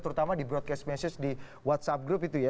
terutama di broadcast message di whatsapp group itu ya